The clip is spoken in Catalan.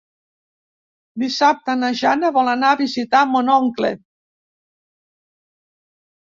Dissabte na Jana vol anar a visitar mon oncle.